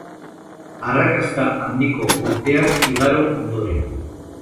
Arrakasta handiko urteak igaro ondoren.